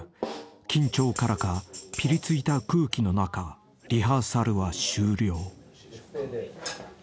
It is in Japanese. ［緊張からかぴりついた空気の中リハーサルは終了］